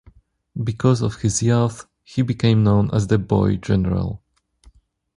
Because of his youth, he became known as the "Boy General".